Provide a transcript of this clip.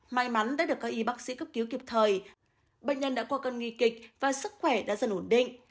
may mắn đã được các y bác sĩ cấp cứu kịp thời bệnh nhân đã qua cơn nguy kịch và sức khỏe đã dần ổn định